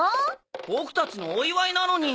ボクたちのお祝いなのに。